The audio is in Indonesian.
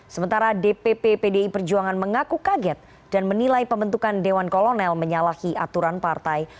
sementara dpp pdi perjuangan mengaku kaget dan menilai pembentukan dewan kolonel menyalahi aturan partai